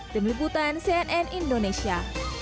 tim liputan cnn indonesia